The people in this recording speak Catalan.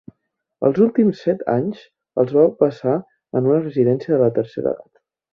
Els últims set anys els va passar en una residència de la tercera edat.